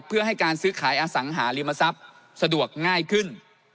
เพื่อให้การซื้อขายอสังหาริมทรัพย์สะดวกง่ายขึ้น